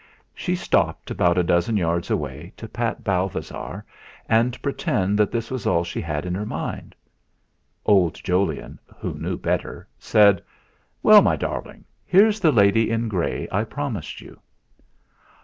She stopped about a dozen yards away, to pat Balthasar and pretend that this was all she had in her mind. Old Jolyon, who knew better, said: "Well, my darling, here's the lady in grey I promised you."